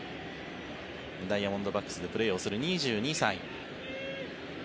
ダイヤモンドバックスでプレーをする２２歳。